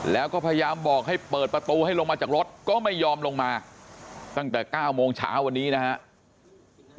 แล้วก็พยายามบอกให้เปิดประตูให้ลงมาจากรถก็ไม่ยอมลงมาตั้งแต่๙โมงเช้าวันนี้นะครับ